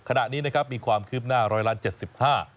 ขณะนี้นะครับมีความคืบหน้า๑๗๕๐๐๐บาท